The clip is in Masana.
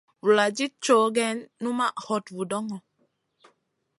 Vuladid cow gèh numaʼ hot vudoŋo.